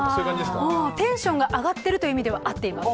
もうテンションが上がってるという意味では合っています。